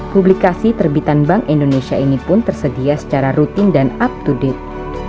publikasi terbitan bank indonesia ini pun tersedia secara rutin dan up to date